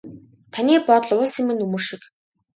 Таны бодол уулсын минь нөмөр шиг.